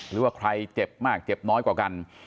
หรือว่าใครเจ็บมากเจ็บน้อยกว่ากัน